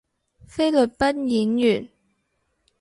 菲律賓演員